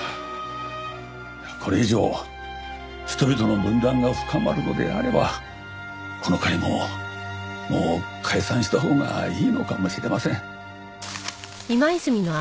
これ以上人々の分断が深まるのであればこの会ももう解散したほうがいいのかもしれません。